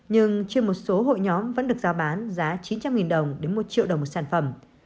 nhưng trên một số hội nhóm vẫn được giao bán giá chín trăm linh đồng đến một triệu đồng một sản phẩm